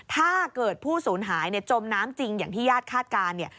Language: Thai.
ถ้าเกิดผู้สูญหายจมน้ำจริงอย่างที่ญาติคาดการณ์เนี่ย